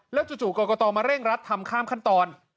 จู่กรกตมาเร่งรัดทำข้ามขั้นตอน